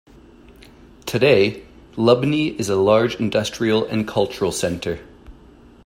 Today, Lubny is a large industrial and cultural centre.